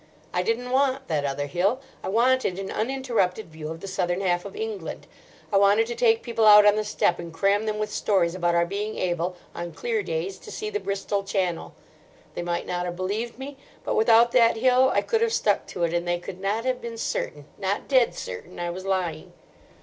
I didn't want that other hill. I wanted an uninterrupted view of the southern half of England. I wanted to take people out on the step, and cram them with stories about our being able on clear days to see the Bristol Channel. They might not have believed me, but without that hill I could have stuck to it, and they could not have been certain—not dead certain—I was lying.